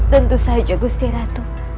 tentu saja gusti ratu